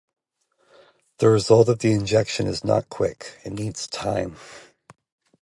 The result of the injection is not quick, it needs time.